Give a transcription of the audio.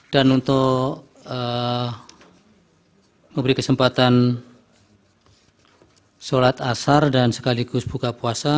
dan untuk memberi kesempatan sholat asar dan sekaligus buka puasa